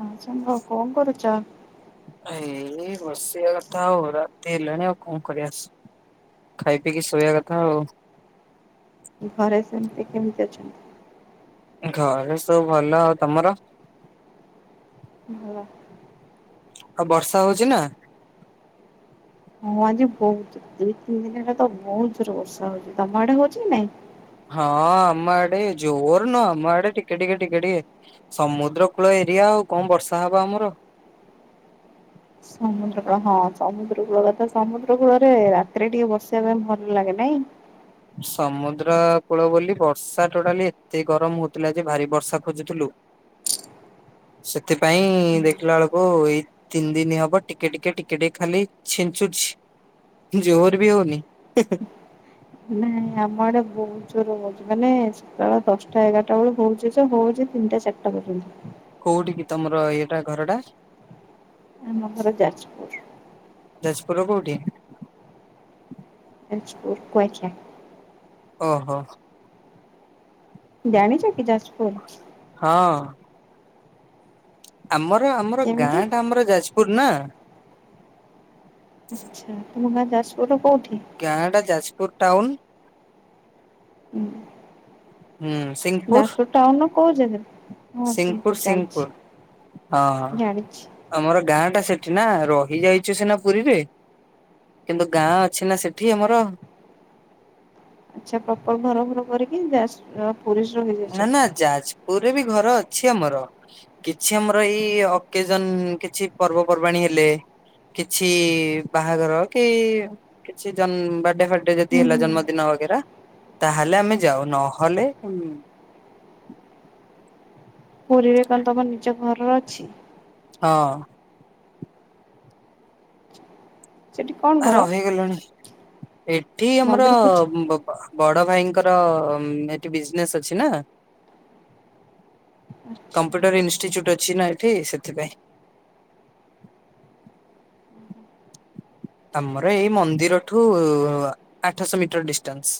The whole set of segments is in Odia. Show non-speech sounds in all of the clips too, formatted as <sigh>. ହଁ ସାଙ୍ଗ କଣ କରୁଛ? ଏଇ ବସିବା କଥା ଆଉ ରାତି ହେଲାଣି ଆଉ କଣ କରିଆସ। ଖାଇ ପିଇକି ଶୋଇବା କଥା ଆଉ। ଘରେ ସେମତି କେମିତି ଅଛନ୍ତି? ଘରେ ସବୁ ଭଲ ଆଉ ତମର? ହଁ। ଆଉ ବର୍ଷା ହଉଛିି ନା ହଁ ଆଜି ବହୁତ ଦୁଇ ତିନି ଦିନ ହେଲା ତ ବହୁତ ଜୋର ବର୍ଷା ହଉଛି ତମ ଆଡେ ହଉଛି ନାଇଁ। ହଁ ଆମ ଆଡେ ଜୋର ନୁହ ଆମ ଆଡେ ଟିକେ ଟିକେ ଟିକେ ଟିକେ ସମୁଦ୍ର କୂଳ ଏରିଆ ଆଉ କଣ ବର୍ଷା ହବ ଆମର। ସମୁଦ୍ର ପା ହଁ ସମୁଦ୍ରକୂଳ ରେ କଥା ସମୁଦ୍ରକୂଳରେ ରାତିରେ ଟିକେ ବସିବା ପାଇଁ ଭଲ ଲାଗେ ନାଇଁ। ସମୁଦ୍ର କୂଳ ବୋଲି ବର୍ଷା ଟୋଟାଲି ଏତେ ଗରମ ହଉଥିଲା ଯେ ଭାରି ବର୍ଷା ଖୋଜୁଥିଲୁ। <inaudible> ସେଥିପାଇଁ ଦେଖିଲା ବେଳକୁ ଏଇ ତିନି ଦିନ ହବ ଟିକେ ଟିକେ ଟିକେ ଟିକେ ଖାଲି ଛିଞ୍ଚୁଛି। ଜୋର ବି ହଉନି ନ ଆମର ବହୁତ ଜୋର ରେ ହଉଛି ମାନେ ସକାଳ ଦଶଟା ଏଗାରଟା ବେଳୁ ହଉଛି ଯେ ହଉଛି ତିନିଟା ଚାରିଟା ପର୍ଯ୍ୟନ୍ତ। କୋଉଠି କି ତମର ୟେଟା ଘର ଟା? ଆମ ଘର ଯାଜପୁର। ଯାଜପୁର ର କୋଉଠି? ଯାଜପୁର କୁଆଖିଆ। ଓହୋ। ଜାଣିଛ କିି ଯାଜପୁର। ହଁ। ଆମର ଆମର କେମିତି ଗାଁ ଟା ଆମର ଯାଜପୁର ନା। ଆଚ୍ଛା, ତୁମା ଗାଁ ଯାଜପୁର ର କୋଉଠି? ଗାଁ ଟା ଯାଜପୁର ଟାଉନ। ହୁ <inaudible> ହୁଁ ଶିଙ୍ଗିପୁର। ଟାଉନ ର କୋଉ ଜାଗା? ସିଂପୁର ସିଂପୁର ହଁ। ଜାଣିଛି। ଆମର ଗାଁ ଟା ସେଠି ନା ରହି ଯାଇଛୁ ସିନା ପୁରୀରେ। କିନ୍ତୁ ଗାଁ ଅଛି ନା ସେଠି ଆମର। ଆଚ୍ଛା ପ୍ରପର ଘର ଫର କରିକି ଯ ପୁରୀରେ ନା ରହିଯାଇଛ। ନା ଯାଜପୁରରେ ବି ଘର ଅଛି ଆମର। କିଛି ଆମର ଏଇ ଅକେଜନ୍ କିଛି ପର୍ବପର୍ବାଣୀ ହେଲେ କିଛି ବାହାଘର କି କିଛି ଜନ୍ ବାଡେ <unintelligible> <unintelligible> ଯଦି ହୁଁ ହେଲା ହୁଁ ଜନ୍ମଦିନ ବଗେରା ତାହେଲେ ଆମେ ଯାଉ ନହେଲେ ପୁରୀରେ କଣ ତମ ନିଜ ଘର ଅଛି? ହଁ। ସେଠି କଣ ଆ କର ରହିଗଲେଣି ଏଠି ଆମର ମନ୍ଦିର ପୂଜା <unintelligible> ବଡ଼ ଭାଇଙ୍କର ଏଠି ବିଜନେସ୍ ଅଛି ନା ଆଚ୍ଛା କମ୍ପ୍ୟୁଟର୍ ଇନଷ୍ଟିଚ୍ୟୁଟ୍ ଅଛି ନା ଏଠି ସେଥିପାଇଁ ଆମର ଏଇ ମନ୍ଦିରଠୁ ଆଠଶହ ମିଟର ଡିଷ୍ଟାନସ୍।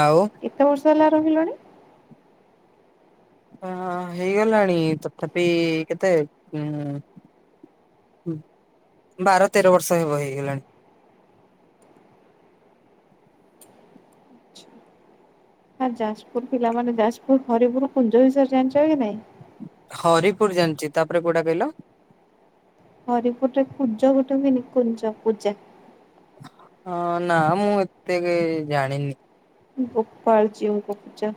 ଆଉ। କେତ ବର୍ଷ ହେଲା ରହିଲଣି? ହଁ ହେଇଗଲାଣି ତଥାପି କେତେ <unintelligible> ହୁଁ ବାର ତେର ବର୍ଷ ହେବ ହେଇଗଲାଣି। ହଁ ଯାଜପୁର ପିଲାମାନେ ଯାଜପୁର ହରିପୁର କୁଞ୍ଜ ବିଷୟରେ ଜାଣିଚ କି ନାଇଁ? ହରିପୁର ଜାଣିଚି ତାପରେ କୋଉଟା କହିଲ? ହରିପୁରରେ ପୂଜ ଗୋଟେ ହୁଏନି କୁଞ୍ଜ ପୂଜା। ହଁ ନା ମୁଁ ଏତେ କେ ଜାଣିନି। ଗୋପଳ ଜିଉଙ୍କୁ ପୂଜା।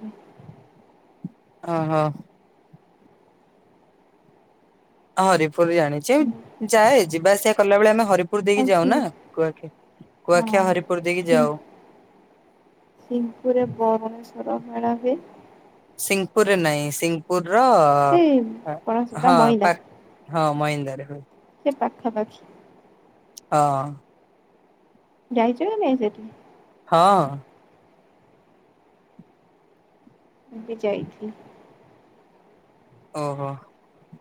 ଅହୋ। ହରିପୁର ବି ଜାଣିଚି ଯାଏ ଯିବା ଆସିବା କଲା ବେଳେ ଆମେ ହରି ପୁର ଦେଇକି ଆଉ ସି ଯାଉ ହଁ। ନା କୁଆଖିଆ-କୁଆଖିଆ ହରିପୁର ଦେଇକି ଯାଉ। ସିଂପୁରରେ ବଣେଶ୍ୱର ମେଳା ହୁଏ। ସିଂପୁରରେ ନାଇଁ ସିଂପୁର ସେ ର କଣ ସେଟା ହଁ ମଇଦା ପା ହଁ ମହେନ୍ଦାରେ। ସେ ପାଖାପାଖି। ହଁ। ଯାଇଚ କି ନାଇଁ ସେଠି। ହଁ। ମୁଁ ବି ଯାଇଚି। ଓହୋ।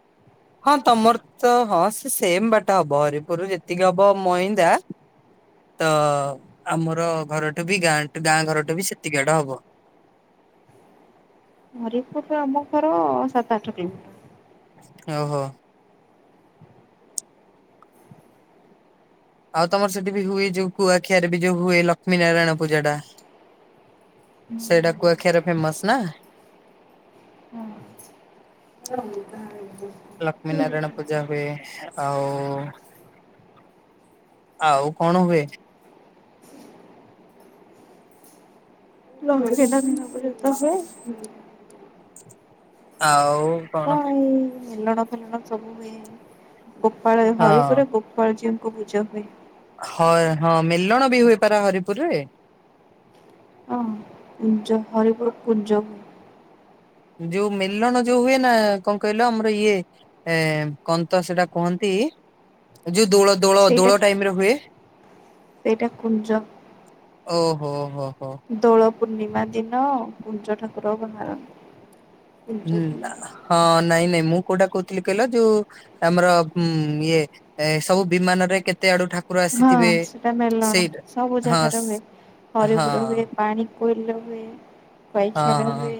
<inaudible> ହଁ ତମର ତ ହଁ ସେ ସେମ୍ ବାଟ ହବ ହରିପୁର ଯେତିକି ହବ ମଇନ୍ଦା ତ ଆମର ଘରଠୁ ବି ଗାଁ-ଗାଁ ଘରଠୁ ବି ସେତିକି ବାଟ ହବ। ହରିପୁରରୁ ଆମ ଘର ସାତ, ଆଠ କିଲୋମିଟର। ଓହୋ। ଆଉ ତମର ସେଠି ବି ହୁଏ ଯୋଉ କୁଆଖିଆରେ ବି ଯୋଉ ହୁଏ ଲକ୍ଷ୍ମୀ ନାରାୟଣ ପୂଜା ଟା ସେଇଟା କୁୁଆଖିଆରେ ଫେମସ୍ ନା? <inaudible> ଲକ୍ଷ୍ମୀ ନାରାୟଣ ପୂଜା ହୁଏ ଆଉ ଆଉ କଣ ହୁଏ? <inaudible> ଆଉ କଣ ଏଇ ମେଲଣ-ଫେଲଣ ସବୁ ହୁଏ ଗୋପାଳ ହଁ। ହରିପୁରେ <unintelligible> ଙ୍କୁ ପୂଜା ହୁଏ। ହଁ-ହଁ ମିଲଣ ବି ହୋଇପାରେ ହରିପୁରରେ। ହଁ। କୁଞ୍ଜ ହରିପୁର୍ କୁଞ୍ଜ ଯୋଉ ମେଲଣ ଯୋଉ ହୁଏ ନା, କଣ କହିଲ ଆମର ଇଏ ଏ କନ୍ତା ସେଟା କୁହନ୍ତି, ଯୋଉ ସେଇଟା ଦୋଳ-ଦୋଳ-ଦୋଳ ଟାଇମି ରେ ହୁଏ। ସେଇଟା କୁଞ୍ଜ। ଓହୋ-ହୋ-ହୋ! ଦୋଳ ପୂର୍ଣ୍ଣିମା ଦିନ କୁଞ୍ଜ ଠାକୁର ବାହାରନ୍ତି। କୁଞ୍ଜ ହୁଁ! କୁହନ୍ତି। ହଁ, ନାଇଁ-ନାଇଁ, ମୁଁ କୋଉଟା କହୁଥିଲି କହିଲ ଯୋଉ ଆମର ଇଏ ଏ ସବୁ ବିମାନରେ କେତେ ଆଡୁ ଠାକୁ ହଁ! ସେଟା ମେଲଣ, ସବୁ ହଁ ଜାଗାରେ ହୁଏ, ହଁ ହରିପୁର ହୁଏ ପାଣି କୋଇଲିରେ ହୁଏ ହଁ କୁଆଖିଆ ରେ ହଁ ହୁଏ।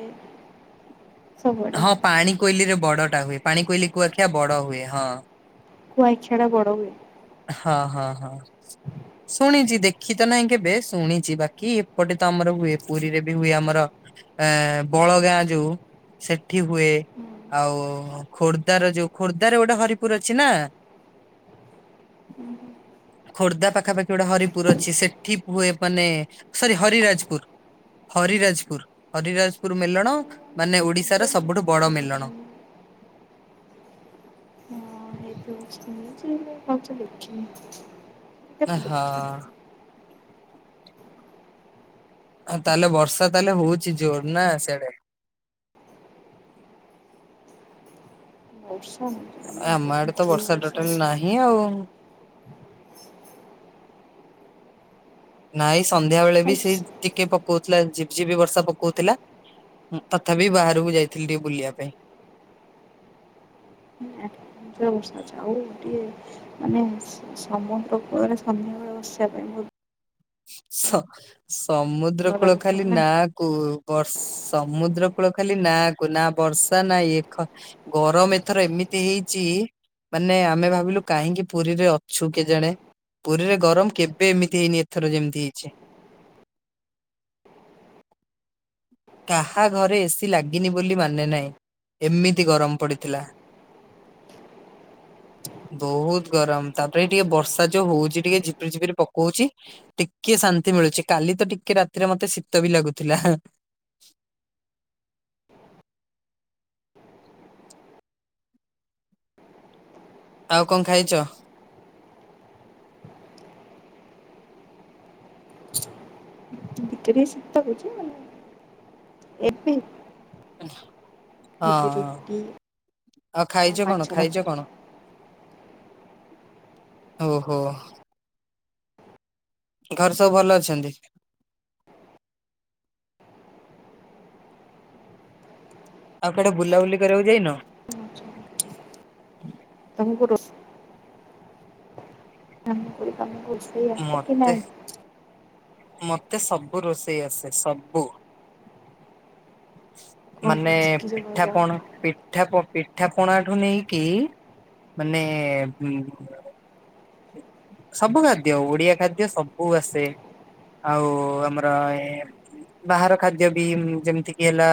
ସବୁଆଡେ। ହଁ! ପାଣି କୋଇଲି ରେ ବଡ ଟା ହୁଏ, ପାଣି କୋଇଲି, କୁଆଖିଆ ବଡ ହୁଏ ହଁ। କୁଆଖିଆ ଟା ବଡ ହୁଏ। ହଁ-ହଁ-ହଁ! <unintelligible> ଶୁଣିଛି, ଦେଖିତ ନାହିଁ କେବେ, ଶୁଣିଛି ବାକି ଏପଟେ ତମର ହୁଏ, ପୁରୀରେ ବି ହୁଏ ଆମର ଏଁ ବଳ ଗାଁ ଯୋଉ ସେଠି ହୁଏ। ଆଉ ଖୋର୍ଦ୍ଧାର ଯୋଉ, ଖୋର୍ଦ୍ଧାର ଗୋଟେ ହରିପୁର ଅଛି ନା ଖୋର୍ଦ୍ଧା ପାଖାପାଖି ଗୋଟେ ହରିପୁର ଅଛି, ସେଠି ହୁଏ ମାନେ ସରି ହରିରାଜପୁର। ହରିରାଜପୁର, ହରିରାଜପୁର ମେଲଣ ମାନେ ହଁ ଓଡିଶାର ସବୁଠୁ ବଡ ମେଲଣ। ପାସ ଦେଖି <inaudible> ଆହା! ତାହେଲେ ବର୍ଷା ତାହେଲେ ହଉଛି ଜୋର, ନା ସେଆଡେ? ବର୍ଷ ମାନେ ବହୁତ ଜୋରେ ବର୍ଷା ଅଛି। ଏ ଓ! ନାଇଁ ସନ୍ଧ୍ୟା ବେଳେ ବି ସେ ଟିକେ ପକେଉଥିଲା ଝିପିଝିପିବର୍ଷା ପକେଉଥିଲା। ତଥାପି ବାହାରକୁ ଯାଇଥିଲି ଟିକେ ବୁଲିବା ପାଇଁ। <inaudible> ମସା ଚାଉ ଗଟି <inaudible> ମାନେ, ସମୁଦ୍ର କୂଳରେ ସନ୍ଧ୍ୟାବେଳେ ବସିବା ପାଇଁ ବହୁ ସମୁଦ୍ର ଭଲ କୂଳ ଲାଗୁଥିବ ଖାଲି ନା କୁ ବର୍ଷ, ସମୁଦ୍ର କୂଳ ଖାଲି ନା କୁ ନା ବର୍ଷା ନା ଇଏ ଗରମ ଏଥର ଏମିତି ହେଇଛି ମାନେଆମେ ଭାବିଲୁ କାହିଁକି ପୁରୀରେ ଅଛୁ କେ ଜଣେ, ପୁରୀରେ ଗରମ କେବେ ଏମିତି ହେଇନି। ଏଥର ଯେମତି ହେଇଛି। କାହା ଘରେ ଏସି ଲାଗିନି ବୋଲି ମାନେ ନାହିଁ, ଏମିତି ଗରମ ପଡିଥିଲା। <unintelligible> ବହୁତ ଗରମ, ତାପରେ ଟିକେ ବର୍ଷା ଯୋଉ ହଉଛି ଟିକେ ଝିପିରି-ଝିପରି ପକେଉଛିି ଟିକେ ଶାନ୍ତି ମିଳୁଛି, କାଲି ତ ଟିକେ ରାତିରେ ମତେ ଶୀତ ବି ଲାଗୁଥିଲା। <unintelligible> ଆଉ କଣ ଖାଇଚ? ବିକ୍ରି ଶୀତ ହଉଛି ମେ ଏବେ <unintelligible> ହ <unintelligible> ହେଇଛି ରୁଟି ହଁ ଆଉ ଖାଇଚ ମାଛ କଣ ଖାଇଚ ତରକାରୀ। କଣ? ଓହୋ। ଘରେ ସବୁ ଭଲ ଅଛନ୍ତି। ଆଉ କୁଆଡେ ବୁଲାବୁଲି କରିବାକୁ ଯାଇନ? ତମକୁ ରୋ କାମ କରି କାମକୁ ମତେ ମତେ ସବୁ ରୋଷେଇ ଆସେ ସବୁ। କଣ କଣ ମାନେ ଶିଖିଛ ପିଠା କହିଲ? ପଣ ପି ପିଠାକୁ ପିଠା ପଣାଠୁ ନେଇକି ମାନେ ସବୁ ଖାଦ୍ୟ, ଓଡିଆ ଖାଦ୍ୟ ସବୁ ଆସେ। ଆଉ ଆମର ଏ ବାହାର ଖାଦ୍ୟ ବି ଯେମିତି କି ହେଲା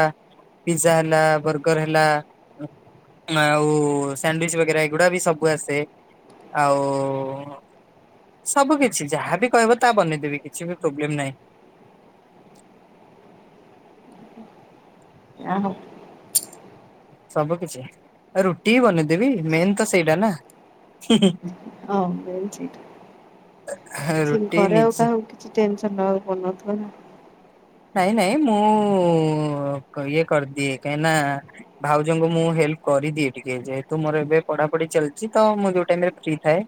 ପିଜ୍ଜା ହେଲା, ବର୍ଗର ହେଲା, ଆଉ ସାଣ୍ଡୁଇଚ ବଗେରା ଏଇଗୁଡା ବି ସବୁ ଆସେ। ଆଉ କଣ? ସବୁ କିଛି ଯାହାବି କହିବ ତା ବନେଇଦେବି କିଛି ବି ପ୍ରୋବ୍ଲେମ ନାହିଁ। ଯାହାହଉ ସବୁ କିଛି, ଏ ରୁଟି ବି ବନେଇଦେବି। ମେନ ତ ସେଇଟା ନା। ହଁ ମେନ ସେଇଟା। କିଛି ରୁଟି ଘରେ ଆଉ ନିଜେ କାହାକୁ କିଛି ଟେନସନ୍ ନବାକୁ ପଡୁନଥିବ, ନା? ନାଇଁ ନାଇଁ ମୁଁ ଇଏ କରିଦିଏ। କାହିଁକି ନା ଭାଉଜଙ୍କୁ ମୁଁ ହେଲ୍ପ କରିଦିଏ ଟିକେ। ଯେହେତୁ ମୋର ଏବେ ପଢାପଢି ଚାଲିଚି ତ ମୁଁ ଯୋଉ ଟାଇମରେ ଫ୍ରି ଥାଏ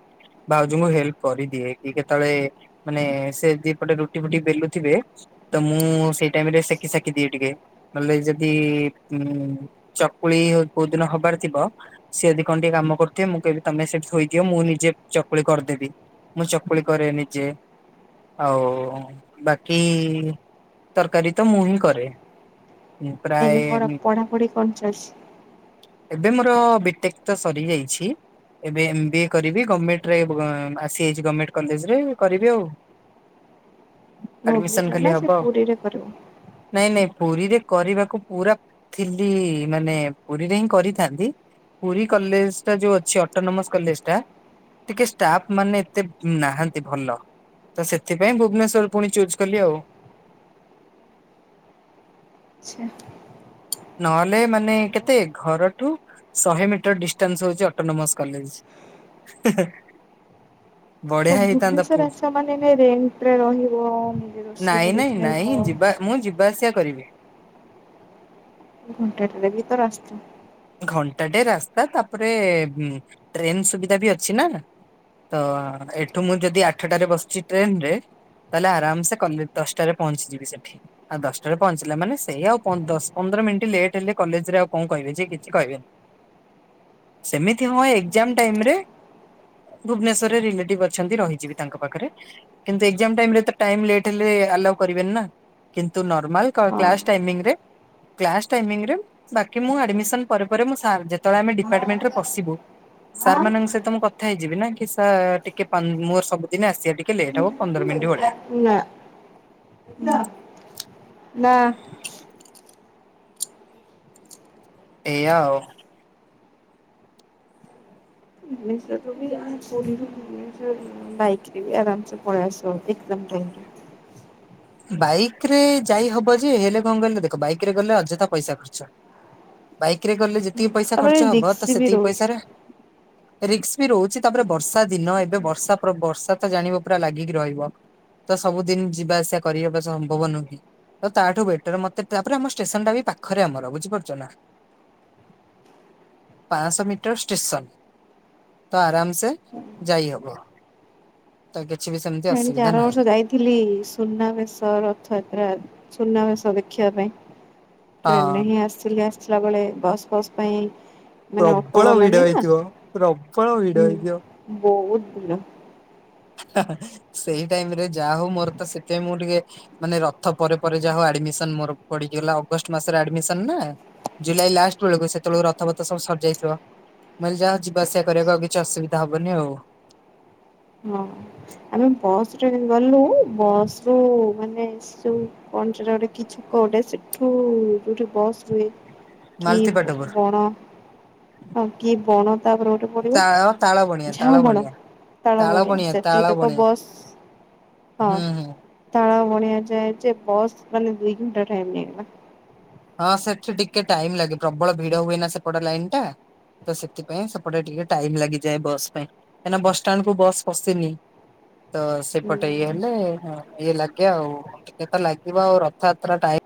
ଭାଉଜଙ୍କୁ ହେଲ୍ପ କରିଦିଏ। କି କେତେବେଳେ ମାନେ ସେ ଦିପଟେ ରୁଟି ଫୁଟି ବେଲୁଥିବେ ତ ମୁଁ ସେଇ ଟାଇମ ରେ ସେକି ସେଖି ଦିଏ ଟିକେ। ନହେଲେ ଯଦି ଉ ଚକୁଳି କୋଉ ଦିନ ହବାର ଥିବ ସିଏ ଯଦି କଣ ଟିକେ କାମ କରୁଥିବେ ମୁଁ କହିବି ତମେ ସେଠି ଥୋଇଦିଅ ମୁଁ ନିଜେ ଚକୁଳି କରିଦେବି। ମୁଁ ଚକୁଳି କରେ ନିଜେ। ଆଉ ବାକି ତରକାରୀ ତ ମୁଁ ହିଁ କରେ। ମୁଁ ପ୍ରାୟ ଏଇନେ ପ ପଢାପଢ଼ି କଣ ଚାଲିଚି? ଏବେ ମୋର ବିଟେକ୍ ତ ସରି ଯାଇଛି। ଏବେ ଏମ ବି ଏ କରିବି। ଗଭମେଣ୍ଟରେ ଆସିଯାଇଛି ଗଣମେଣ୍ଟ କଲେଜରେ କରିବି ଆଉ। ଆଡମିସନ ଭୁବନେଶ୍ୱର ଖାଲି ନା ହବ ସେ ଆଉ ପୁରୀରେ କରିବ? ନାଇଁ ନାଇଁ ପୁରୀରେ କରିବାକୁ ପୁରା ଥିବି, ମାନେ ପୁରୀରେ ହିଁ କରିଥାନ୍ତି ପୁରୀ କଲେଜ ଟା ଯୋଉ ଅଛି ଅଟୋନୋମସ କଲେଜ ଟା ଟିକେ ଷ୍ଟାଫ ମାନେ ଏତେ ନାହାନ୍ତି ଭଲ। ତ ସେଥିପାଇଁ ଭୁବନେଶ୍ଵର ପୁଣି ଚୁଜ୍ କଲି ଆଉ। ଛ ନହେଲେ ମାନେ କେତେ ଘରଠୁ ଶହେ ମିଟର ଡିଷ୍ଟାନ୍ସ ହଉଛି ଅଟୋନମସ କଲେଜ। ବଢିଆ ଓ ହେଇଥାନ୍ତା ପୁ ଭୁବନେଶ୍ୱରରେ ଅଛ ମାନେ ଏଇନେ ରେଣ୍ଟରେ ରହିବ, ନିଜେ ରୋଷେଇ ନାଇଁ ନାଇଁ କରିକି ନାଇଁ ଖାଇବ ଯିବା ମୁଁ ଯିବା ଆସିବା କରିବି। ଘଣ୍ଟାଟେ ଲାଗିବ ତ ରାସ୍ତା। ଘଣ୍ଟାଟେ ରାସ୍ତା ତାପରେ ଟ୍ରେନ ସୁବିଧା ବି ଅଛି ନା। ତ ଏଠୁ ମୁଁ ଯଦି ଆଠଟାରେ ବସୁଚି ଟ୍ରେନରେ ତାହେଲେ ଆରାମ ସେ କଲେ ଦଶଟାରେ ପହଞ୍ଚିଯିବି ସେଠି। ଆଉ ଦଶଟାରେ ପହଞ୍ଚିଲା ମାନେ ସେଇଆ। ଆଉ ଦଶ ପନ୍ଦର ମିନିଟ ଲେଟ୍ ହେଲେ କଲେଜ ରେ ଆଉ କଣ କହିବେ ଯେ କିଛି କିଛି କହିଲେ। ସେମିତି ହଁ ଏଗଜାମ ଟାଇମ୍ ରେ ଭୁବନେଶ୍ଵରରେ ରିଲେଟିଭ ଅଛନ୍ତି। ରହିଯିବି ତାଙ୍କ ପାଖରେ କିନ୍ତୁ ଏଗଜାମ ଟାଇମରେ ତ ଟାଇମ୍ ଲେଟ୍ ହେଲେ ଆଲାଉ କରିବେନି ନା କିନ୍ତୁ ନର୍ମାଲ କ କ୍ଲାସ ଟାଇମିଙ୍ଗରେ କ୍ଲାସ ଟାଇମିଙ୍ଗରେ ବାକି ମୁଁ ଆଡମିସନ ପରେ ପରେ ମୁ ସାର୍ ଯେତେବେଳେ ଆମେ ଡିପାର୍ଟମେଣ୍ଟ ରେ ପଶିବୁ। ସାର୍ ହଁ ମାନଙ୍କ ସହିତ ମୁଁ କଥା ହେଇଯିବି ନା କି ସାର୍ ଟିକେ ପାନ ମୋର ସବୁଦିନ ଆସିବା ଟିକେ ଲେଟ୍ ହବ। ପନ୍ଦର ମିନିଣ୍ଟି ୱେଟ। ହାପ ପୁଆ <inaudible> ନା <inaudible> ନା ଏଇଆଉ ବିସ୍ ସାତଦିଆ <inaudible> ମୁଁ ସବୁଦିନ ନିଜ ବାଇକରେ ବି ଆରାମ ସେ ପଳେଇ ଆସିବ ଏକଦମ ଟାଇମରେ <unintelligible> ବାଇକ ରେ ଯାଇ ହବ ଯେ ହେଲେ କଣ କହିଲ ଦେଖ ବାଇକ ରେ ଗଲେ ଅଯଥା ପଇସା ଖର୍ଚ୍ଚ ବାଇକ ରେ ଗଲେ ଯେତିକି ପଇସା ତାପରେ ଖର୍ଚ୍ଚ ହବ ତ ରିକ୍ସ ବି ସେତିକି ରହୁଛି। ପଇସାରେ <unintelligible> ରିକ୍ସ ବି ରହୁଛି। ତାପରେ ବର୍ଷା ଦିନ ଏବେ ବର୍ଷା ପ୍ରବ ବର୍ଷା ତ ଜାଣିବ ପୁରା ଲାଗିକି ରହିବ। ତ ସବୁଦିନ ଯିବା ଆସିବା କରିବା ସମ୍ଭବ ନୁହଁ କି ତ ତାଠୁ ବେଟର ମତେ ତାପରେ ଆମ ଷ୍ଟେସନ ଟା ବି ପାଖରେ ଆମର ବୁଝିପାରୁଚ ନା <inaudible> ପାଁଶହ ମିଟର ଷ୍ଟେସନ ତ ଆରାମ ସେ ଯାଇହବ। ତ କିଛି ବି ସେମିତି ମୁଁ ବି ଅସୁବିଧା ଚାର ନାହିଁ ବର୍ଷ ଯାଇ <unintelligible> ଥିଲି ସୁନାବେଶ ରଥଯାତ୍ରା ସୁନାବେଶ ଦେଖିବା ପାଇଁ ଟ୍ରେନରେ ହଁ ହିଁ ଆସିଥିଲି। ଆସିଥିଲା ବେଳେ ବସ୍ ପସ୍ ପାଇଁ ମାନେ ଅଟୋ ପ୍ରବଳ ଗଲାନି ଭିଡ ନା ହେଇଥିବ। ପ୍ରବଳ ହୁଁ ଭିଡ ହେଇଥିବ। ବହୁତ ଦୂର ହାଁ -ହାଁ ସେଇ ଟାଇମ ରେ ଯା ହଉ ମୋର ତ ସେଥିପାଇଁ ମୁଁ ଟିକେ ମାନେ ରଥ ପରେ ପରେ ଯାହା ହଉ ଆମିସନ ମୋର ପଡିଗିଲା। ଅଗଷ୍ଟ ମାସରେ ଆଡମିସନ ନା ଜୁଲାଇ ଲାଷ୍ଟ ବେଳକୁ ସେତେବେଳକୁ ରଥପଥ ସବୁ ସରିଯାଇଥିବ। ମୁଁ କହିଲି ଯାହା ଯିବା ଆସିବା କରିବାକୁ ଆଉ କିଛି ଅସୁବିଧା ହବନି ଆଉ ହଁ। <inaudible> ଆମେ ବସରେ ଗଲୁ ବସ ରୁ ମାନେ <unintelligible> କିଛି କରେ ସେଠୁ ଯୋଉଠି ବସ୍ ରୁହେ କିଏ ମାଲତିପାଟପୁର ବଣ, ହଁ କି ବଣ ତାପରେ ଗୋଟେ ତାପରେ ତା ତାଳ ବଣିଆ ତାଳ ଝାଉଁ ବଣ ବଣିଆ ତାଳ ବଣିଆ ସେତିକି ତ ତ ବସ୍ ହଁ ହୁଁ ହୁଁ ତାଳ ବଣିଆ ଯାଏ ଯେ ବସ୍ ମାନେ ଦୁଇ ଘଣ୍ଟା ଟାଇମ ନେଇଗଲା। ହଁ ସେଠି ଟିକେ ଟାଇମ ଲାଗେ ପ୍ରବଳ ଭିଡ ହୁଏନା ସେପଟେ ଲାଇନ ଟା ତ ସେଥିପାଇଁ ସେପଟେ ଟିକେ ଟାଇମ ଲାଗିଯାଏ। ବସ୍ ପାଇଁ କାହିଁକିନା ବସ୍ ଷ୍ଟାଣ୍ଡ କୁ ବସ୍ ପଶେନି ତ ସେପଟେ ହୁଁ। ଇଏ ହେଲେ ହଁ ଇଏ ଲାଗେ ଆଉ ଟିକେ ତ ଲାଗିବ ଆଉ ରଥଯାତ୍ରା ଟାଇମ୍